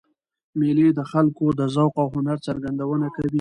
مېلې د خلکو د ذوق او هنر څرګندونه کوي.